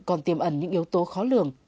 còn tiêm ẩn những yếu tố khó lường